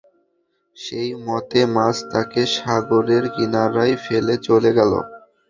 সেই মতে মাছ তাঁকে সাগরের কিনারায় ফেলে চলে গেল।